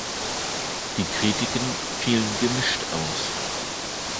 Die Kritiken fielen gemischt aus.